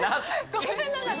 ごめんなさい。